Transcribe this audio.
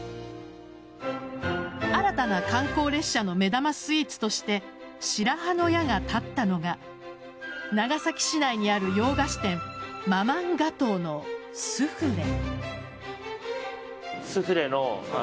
新たな観光列車の目玉スイーツとして白羽の矢が立ったのが長崎市内にある洋菓子店ママン・ガトーのスフレ。